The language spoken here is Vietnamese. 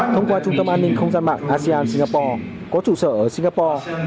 thông qua trung tâm an ninh không gian mạng asean singapore có trụ sở ở singapore